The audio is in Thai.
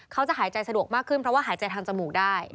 เขาจะหายใจสะดวกมากขึ้นเพราะว่าหายใจทางจมูกได้